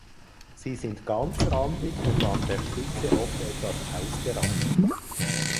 Sie sind ganzrandig und an der Spitze oft etwas ausgerandet.